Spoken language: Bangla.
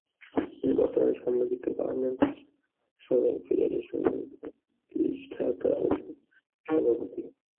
তিনি বর্তমানে সম্মিলিত গার্মেন্টস শ্রমিক ফেডারেশনের প্রতিষ্ঠাতা এবং সভাপতি।